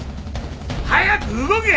早く動け！